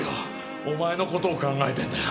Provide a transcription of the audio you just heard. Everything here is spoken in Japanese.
お前の事を考えてんだよ。